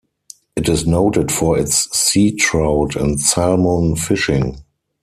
It is noted for its sea trout and salmon fishing.